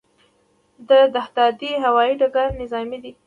د دهدادي هوايي ډګر نظامي دی